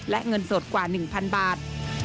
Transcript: และเงินสดกว่า๑๐๐๐บาท